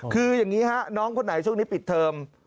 คืออย่างนี้ฮะน้องคนไหนช่วงนี้ปิดเทอม